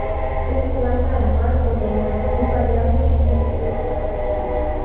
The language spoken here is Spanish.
Es planta anual o bienal, muy variable en muchos de sus caracteres.